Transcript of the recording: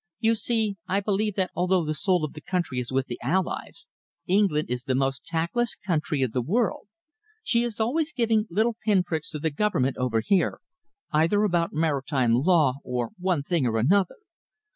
You see, I believe that although the soul of the country is with the Allies, England is the most tactless country in the world. She is always giving little pinpricks to the Government over here, either about maritime law or one thing or another.